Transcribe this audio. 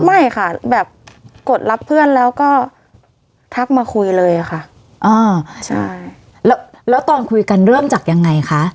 ไม่ค่ะแบบกดรับเพื่อนแล้วก็ทักมาคุยเลยค่ะอ่าใช่แล้วแล้วตอนคุยกันเริ่มจากยังไงคะ